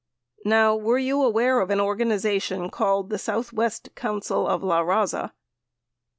Now, were you aware of an organization called the Southwest Council of LaRaza